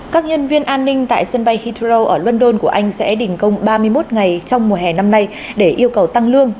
các nhân viên an ninh tại sân bay hydrow ở london của anh sẽ đình công ba mươi một ngày trong mùa hè năm nay để yêu cầu tăng lương